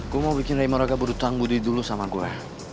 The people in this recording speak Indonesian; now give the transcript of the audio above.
gue mau bikin ray moraga berdutang budi dulu sama gue